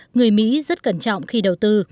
người mỹ rất cẩn trọng khi đầu tư